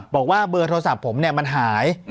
บอกว่าเบอร์โทรศัพท์ผมมันหาย